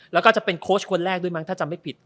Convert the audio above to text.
แล้วก็จะเป็นโค้ชคนแรกด้วยมั้งถ้าจำไม่ผิด